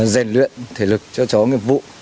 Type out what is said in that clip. giành luyện thể lực cho chó nghiệp vụ